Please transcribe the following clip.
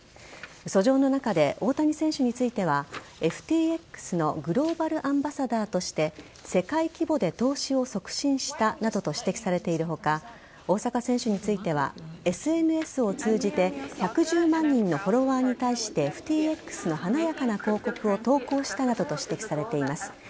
訴状の中で大谷選手についてはＦＴＸのグローバルアンバサダーとして世界規模で投資を促進したなどと指摘されている他大坂選手についてはＳＮＳを通じて１１０万人のフォロワーに対してＦＴＸの華やかな広告を投稿したなどと指摘されています。